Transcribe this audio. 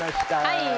はい。